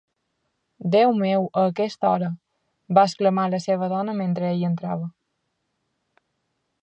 ""Déu meu, a aquesta hora!", va exclamar la seva dona mentre ell entrava".